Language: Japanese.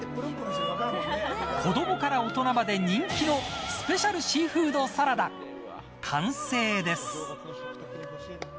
子どもから大人まで人気のスペシャルシーフードサラダ完成です。